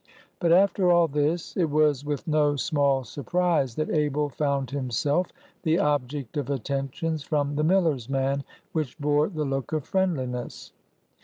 But, after all this, it was with no small surprise that Abel found himself the object of attentions from the miller's man, which bore the look of friendliness.